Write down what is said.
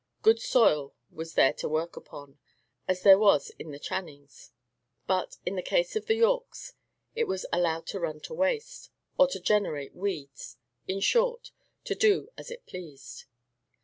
Good soil was there to work upon, as there was in the Channings; but, in the case of the Yorkes, it was allowed to run to waste, or to generate weeds. In short, to do as it pleased.